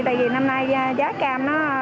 tại vì năm nay giá cam nó